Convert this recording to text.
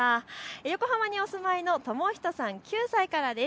横浜にお住まいの智仁さん９歳からです。